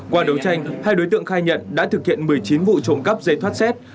qua đấu tranh hai đối tượng khai nhận đã thực hiện một mươi chín vụ trộm cắp dây thoát xét